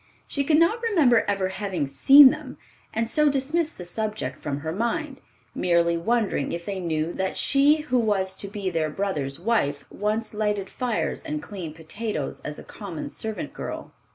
She could not remember ever having seen them, and so dismissed the subject from her mind, merely wondering if they knew that she who was to be their brother's wife once lighted fires and cleaned potatoes as a common servant girl.